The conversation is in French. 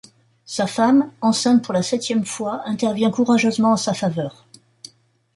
Sa femme, enceinte pour la septième fois, intervient courageusement en sa faveur.